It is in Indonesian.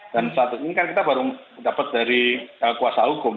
dan saat ini kan kita baru dapat dari kuasa hukum